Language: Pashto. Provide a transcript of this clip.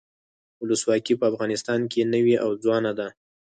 ولسواکي په افغانستان کې نوي او ځوانه ده.